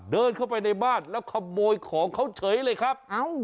เดินเข้าไปในบ้านแล้วขโมยของเขาเฉยเลยครับ